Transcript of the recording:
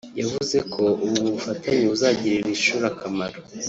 yavuze ko ubu bufatanye buzagirira iri shuri akamaro